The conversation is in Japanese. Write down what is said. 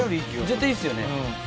絶対いいですよね。